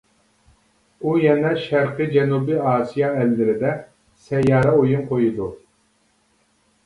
ئۇ يەنە شەرقىي جەنۇبىي ئاسىيا ئەللىرىدە سەييارە ئويۇن قويىدۇ.